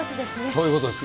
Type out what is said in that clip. そういうことです。